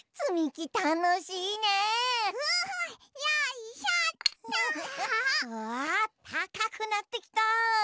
うわたかくなってきた。